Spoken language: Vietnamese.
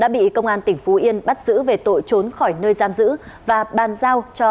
bị công an tỉnh phú yên bắt giữ về tội trốn khỏi nơi giam giữ và bàn giao cho